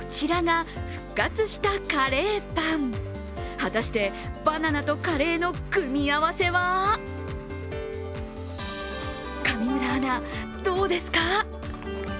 果たして、バナナとカレーの組み合わせは上村アナ、どうですか？